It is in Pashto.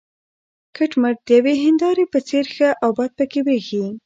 کټ مټ د یوې هینداره په څېر ښه او بد پکې برېښي.